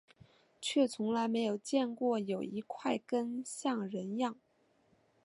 却从来没有见过有一块根像人样